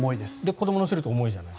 子どもを乗せると重いじゃない。